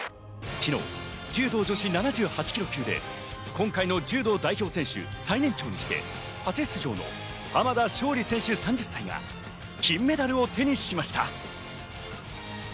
昨日、柔道・女子７８ｋｇ級で今回の柔道代表選手最年長にして初出場の浜田尚里選手３０歳が金メダルを手にしました。